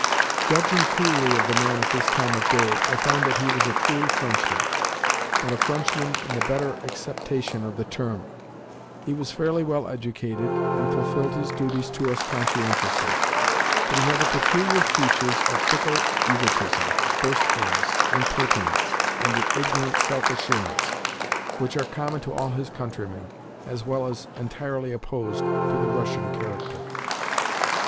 Judging coolly of the man at this time of day, I find that he was a true Frenchman, but a Frenchman in the better acceptation of the term. He was fairly well educated, and fulfilled his duties to us conscientiously, but he had the peculiar features of fickle egotism, boastfulness, impertinence, and ignorant self assurance which are common to all his countrymen, as well as entirely opposed to the Russian character.